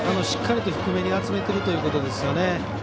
しっかりと低めに集めてるということですよね。